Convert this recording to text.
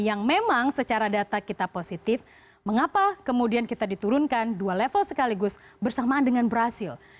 yang memang secara data kita positif mengapa kemudian kita diturunkan dua level sekaligus bersamaan dengan brazil